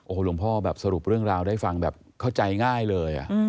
โอ้โหหลวงพ่อสรุปเรื่องราวได้ฟังเข้าใจง่ายเลย